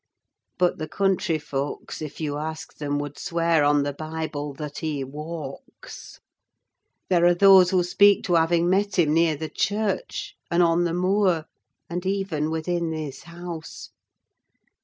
But the country folks, if you ask them, would swear on the Bible that he walks: there are those who speak to having met him near the church, and on the moor, and even within this house.